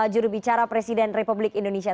jurubicara presiden republik indonesia